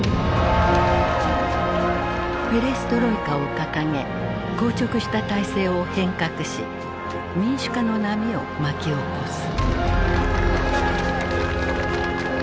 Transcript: ペレストロイカを掲げ硬直した体制を変革し民主化の波を巻き起こす。